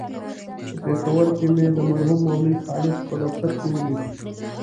په پېښور کې مې د مرحوم مولوي خالص په دفتر کې ولید.